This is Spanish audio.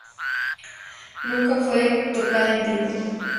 Nunca fue tocada en vivo.